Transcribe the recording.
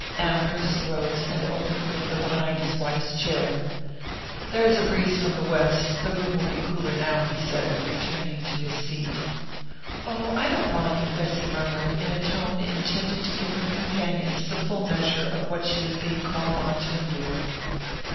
Amherst rose and opened the window behind his wife's chair. "There's a breeze from the west the room will be cooler now," he said, returning to his seat. "Oh, I don't mind " Bessy murmured, in a tone intended to give her companions the full measure of what she was being called on to endure.